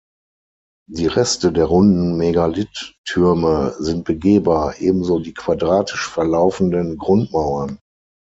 Die Reste der runden Megalith-Türme sind begehbar, ebenso die quadratisch verlaufenden Grundmauern.